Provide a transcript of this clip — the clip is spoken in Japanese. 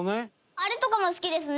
あれとかも好きですね。